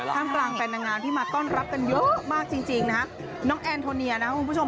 แฟนนางงามที่มาต้อนรับกันเยอะมากจริงจริงนะฮะน้องแอนโทเนียนะครับคุณผู้ชม